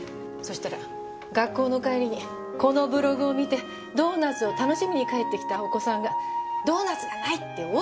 そしたら学校の帰りにこのブログを見てドーナツを楽しみに帰ってきたお子さんがドーナツがない！って